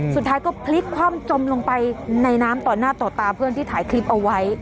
สุดท้ายก็พลิกคว่ำจมลงไปในน้ำต่อหน้าต่อตาเพื่อนที่ถ่ายคลิปเอาไว้